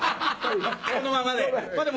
このままで？